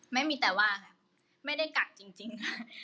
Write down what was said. ไม่มีแต่ว่าไม่ได้กักจริงค่ะ